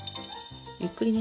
ゆっくりね。